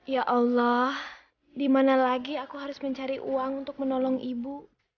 ya allah dimana lagi aku harus mencari uang untuk menolong ibu